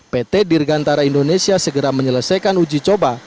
pt dirgantara indonesia segera menyelesaikan uji coba